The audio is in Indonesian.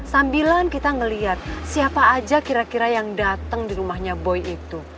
sambilan kita melihat siapa aja kira kira yang datang di rumahnya boy itu